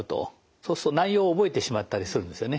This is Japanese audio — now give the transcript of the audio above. そうすると内容を覚えてしまったりするんですよね。